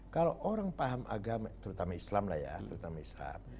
kalau orang paham agama terutama islam lah ya terutama islam